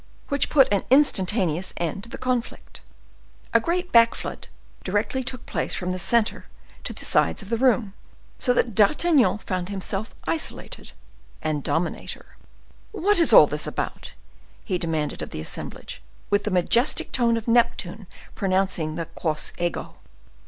which put an instantaneous end to the conflict. A great back flood directly took place from the center to the sides of the room, so that D'Artagnan found himself isolated and dominator. "What is this all about?" then demanded he of the assembly, with the majestic tone of Neptune pronouncing the Quos ego.